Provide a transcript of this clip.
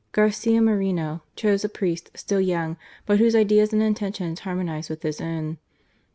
Garcia Moreno chose a priest, still young, but whose ideas and intentions harmonized with his own, D.